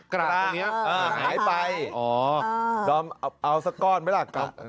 กระหายไปเอาสักก้อนไหมล่ะ